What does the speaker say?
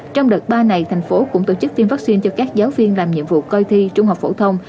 trong đợt ba này thành phố cũng tổ chức tiêm vaccine cho các giáo viên làm nhiệm vụ coi thi trung học phổ thông